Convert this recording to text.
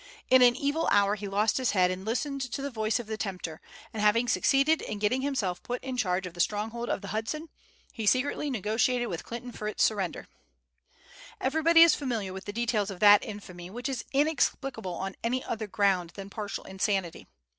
In an evil hour he lost his head and listened to the voice of the tempter, and having succeeded in getting himself put in charge of the stronghold of the Hudson, he secretly negotiated with Clinton for its surrender. Everybody is familiar with the details of that infamy, which is inexplicable on any other ground than partial insanity.